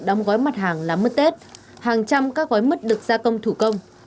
đóng gói mặt hàng làm mứt tết hàng trăm các gói mứt được gia công thủ công